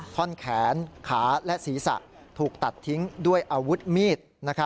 ท่อนแขนขาและศีรษะถูกตัดทิ้งด้วยอาวุธมีด